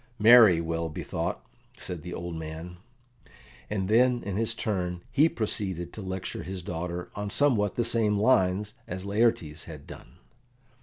"Marry, well bethought," said the old man; and then in his turn he proceeded to lecture his daughter on somewhat the same lines as Laertes had done.